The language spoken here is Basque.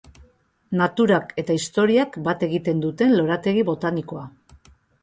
Naturak eta historiak bat egiten duten lorategi botanikoa.